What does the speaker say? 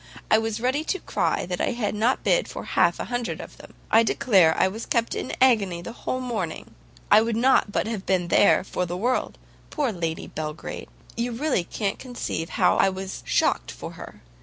I was ready to cry that I could not bid for half a hundred of them. I declare I was kept in an agony the whole morning. I would not but have been there for the world. Poor Lady Belgrade! you really can't conceive how I was shocked for her.